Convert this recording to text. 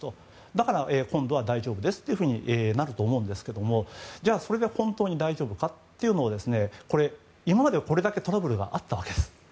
だから今度は大丈夫ですとなると思うんですけどじゃあ、それで本当に大丈夫かというのを今まではこれだけトラブルがあったわけです。